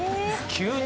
急に。